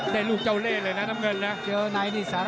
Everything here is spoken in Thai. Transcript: ได้ลูกเจ้าเล่นเลยนะน้ำเงินนะ